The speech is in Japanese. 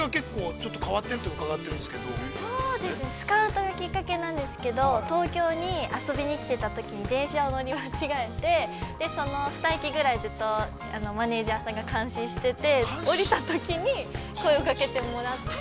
スカウトがきっかけなんですけれども、東京に遊びに来てたときに、電車を乗り間違えて、その２駅ぐらいマネジャーさんが監視していて、降りたとき、声をかけてもらって。